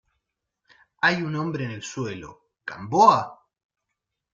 hay un hombre en el suelo. ¿ Gamboa?